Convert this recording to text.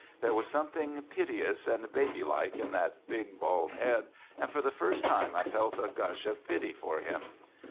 There was something piteous and baby like in that big bald head, and for the first time I felt a gush of pity for him.